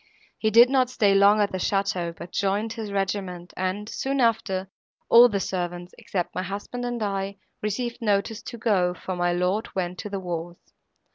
He did not stay long at the château, but joined his regiment, and, soon after, all the servants, except my husband and I, received notice to go, for my lord went to the wars.